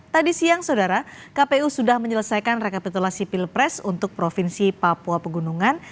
tadi siang saudara kpu sudah menyelesaikan rekapitulasi pilpres untuk provinsi papua pegunungan